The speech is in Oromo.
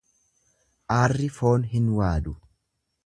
Aarri foon hin waadu.